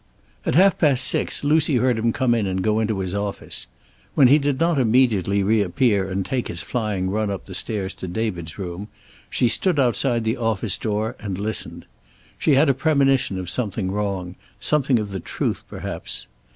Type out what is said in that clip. At half past six Lucy heard him come in and go into his office. When he did not immediately reappear and take his flying run up the stairs to David's room, she stood outside the office door and listened. She had a premonition of something wrong, something of the truth, perhaps.